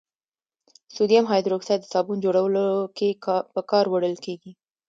سودیم هایدروکساید د صابون جوړولو کې په کار وړل کیږي.